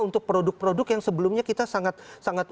untuk produk produk yang sebelumnya kita sangat sangat